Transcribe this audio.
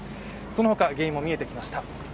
そのほか、原因も見えてきました。